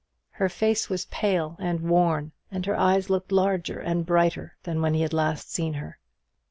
Her face was pale and worn, and her eyes looked larger and brighter than when he had last seen her.